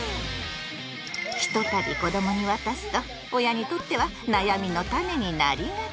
ひとたび子どもに渡すと親にとっては悩みのタネになりがち！